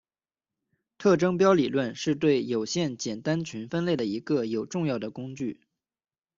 特征标理论是对有限简单群分类的一个有重要的工具。